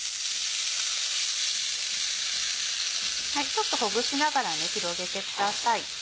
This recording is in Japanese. ちょっとほぐしながら広げてください。